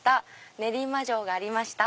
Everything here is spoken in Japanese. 練馬城がありました」。